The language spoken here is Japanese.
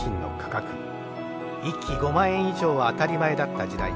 １機５万円以上は当たり前だった時代。